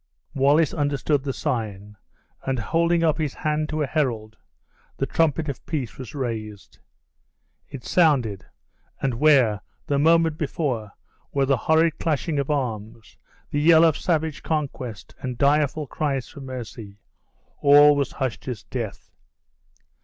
Wallace understood the sign, and holding up his hand to a herald, the trumpet of peace was raised. It sounded and where, the moment before, were the horrid clashing of arms, the yell of savage conquest, and direful cries for mercy, all was hushed as death.